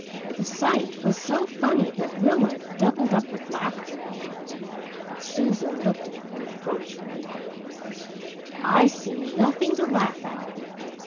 The sight was so funny that Rilla doubled up with laughter. Susan looked at her reproachfully. "I see nothing to laugh at.